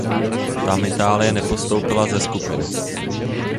Tam Itálie nepostoupila ze skupiny.